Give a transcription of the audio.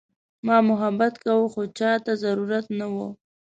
ما محبت کاوه خو چاته ضرورت نه وه.